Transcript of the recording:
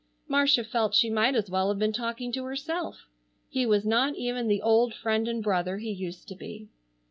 Marcia felt she might as well have been talking to herself. He was not even the old friend and brother he used to be.